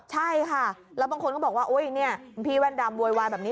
ใช่ค่ะแล้วบางคนก็บอกว่าพี่แว่นดำบวยวายแบบนี้